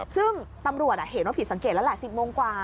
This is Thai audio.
ซึ่งตำรวจเห็นว่าผิดสังเกตแล้วแหละ๑๐โมงกว่า